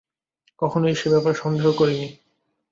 কখনোই সে ব্যাপারে সন্দেহ করিনি।